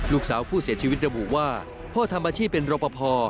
ลูกสาวผู้เสียชีวิตระบุว่าพ่อทำอาชีพเป็นรปภ